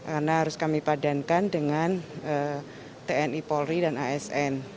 karena harus kami padankan dengan tni polri dan asn